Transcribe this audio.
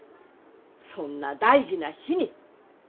そんな大事な日に。